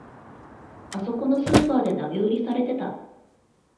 あそこのスーパーで投げ売りされてた